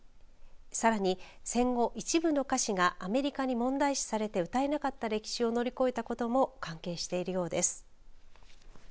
さらに戦後、一部の歌詞がアメリカに問題視されて歌えなかった歴史を乗り越えたことも関係しているようです。